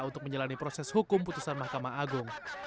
untuk menjalani proses hukum putusan mahkamah agung